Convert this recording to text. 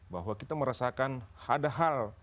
bahwa kita merasakan ada hal